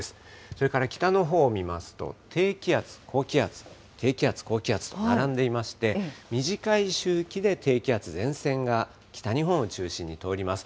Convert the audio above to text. それから北のほうを見ますと、低気圧、高気圧、低気圧、高気圧と並んでいまして、短い周期で低気圧、前線が北日本を中心に通ります。